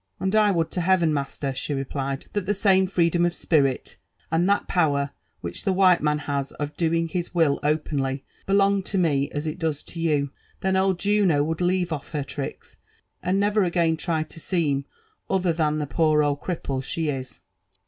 '' And I would to heaven, master," she replied, "that the same freedom of spirit, and that power which the white man has of doing his will openly, belonged to me, as it does to you I then old Juno would leave off her tricks, and never again try to seam ether than \bn poor old crFpple sh^ is.